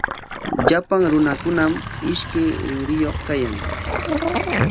Llapan runakunami ishkay rinriyuq kayan.